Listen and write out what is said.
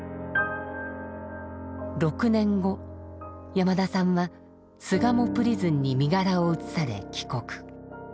６年後山田さんは巣鴨プリズンに身柄を移され帰国。